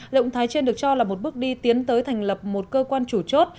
động thái trên được cho là một bước đi tiến tới thành lập một cơ quan chủ chốt